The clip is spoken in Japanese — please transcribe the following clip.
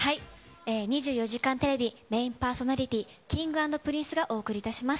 ２４時間テレビメインパーソナリティー、Ｋｉｎｇ＆Ｐｒｉｎｃｅがお送りいたします。